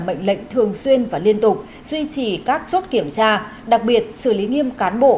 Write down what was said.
mệnh lệnh thường xuyên và liên tục duy trì các chốt kiểm tra đặc biệt xử lý nghiêm cán bộ